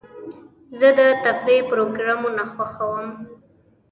زه د تفریح پروګرامونه خوښوم.